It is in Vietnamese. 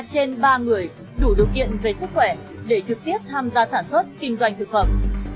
trên ba người đủ điều kiện về sức khỏe để trực tiếp tham gia sản xuất kinh doanh thực phẩm